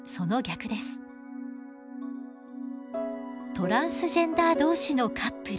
トランスジェンダー同士のカップル。